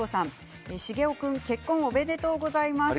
茂雄君結婚おめでとうございます。